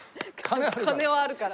金はあるから。